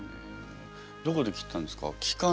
どこで切ったんですか？